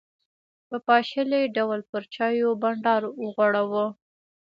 په پاشلي ډول پر چایو بانډار وغوړاوه.